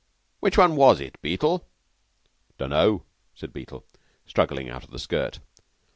"Which one was it, Beetle?" "Dunno," said Beetle, struggling out of the skirt.